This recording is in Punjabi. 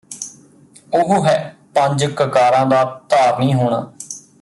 ਉਹ ਹੈ ਪੰਜ ਕਕਾਰਾਂ ਦਾ ਧਾਰਨੀ ਹੋਣਾ